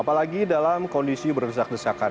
apalagi dalam kondisi berdesak desakan